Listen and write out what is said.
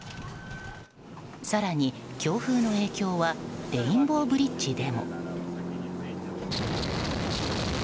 更に、強風の影響はレインボーブリッジでも。